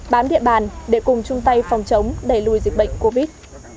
bám địa bàn để cùng chung tay phòng chống đẩy lùi dịch bệnh covid